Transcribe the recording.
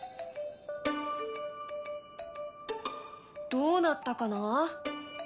どうなったかな？